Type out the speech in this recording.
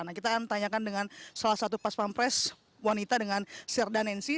nah kita akan tanyakan dengan salah satu pas pampres wanita dengan sirda nancy